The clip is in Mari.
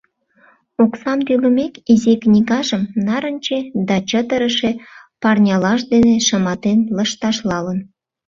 Оксам тӱлымек, изи книгажым нарынче да чытырыше парнялаж дене шыматен лышташлалын.